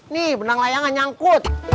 nih benang layangan nyangkut